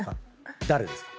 誰ですか？